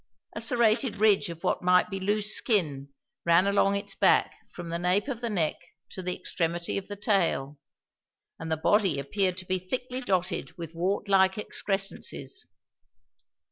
A serrated ridge of what might be loose skin ran along its back from the nape of the neck to the extremity of the tail, and the body appeared to be thickly dotted with wart like excrescences.